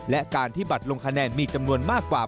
และการที่บัตรลงคะแนนมีจำนวนมากกว่า